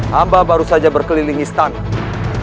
hamba baru saja berkeliling istana